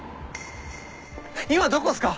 今どこっすか？